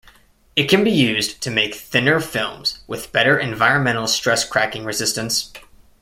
It can be used to make thinner films, with better environmental stress cracking resistance.